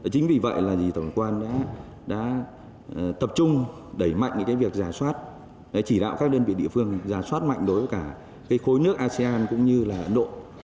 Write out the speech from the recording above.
chính vì vậy là tổng hợp quan đã tập trung đẩy mạnh cái việc giá soát để chỉ đạo các đơn vị địa phương giá soát mạnh đối với cả cái khối nước asean cũng như là ấn độ